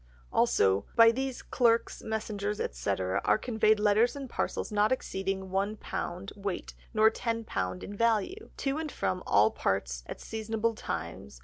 Also, "By these [clerks, messengers, etc.] are conveyed Letters and Parcels not exceeding one Pound Weight, nor Ten Pound in Value, to and from all Parts at Seasonable Times, viz.